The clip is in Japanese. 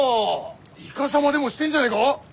イカサマでもしてんじゃねえか！？